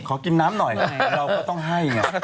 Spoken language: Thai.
ขอกินน้ำหน่อยเราก็ต้องให้ไง